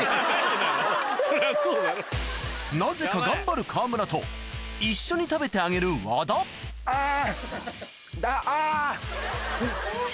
なぜか頑張る川村と一緒に食べてあげる和田あぁ！